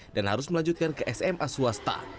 dan harus melanjutkan ke sma swasta